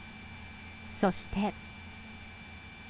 そして。